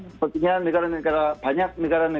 sepertinya banyak negara negara lain juga ikut menonton menonton